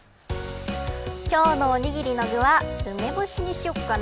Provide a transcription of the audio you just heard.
今日のおにぎりの具は梅干しにしようかな。